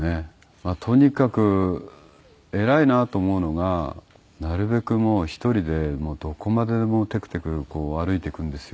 まあとにかく偉いなと思うのがなるべく１人でもうどこまででもテクテク歩いていくんですよ。